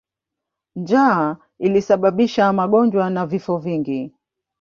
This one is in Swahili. Njaa ilisababisha magonjwa na vifo vingi.